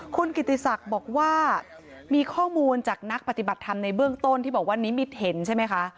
คุณกิติศักดิ์บอกว่ามีข้อมูลจากนักปฏิบัติธรรมในเบื้องต้นที่บอกว่านิมิตเห็นใช่ไหมคะ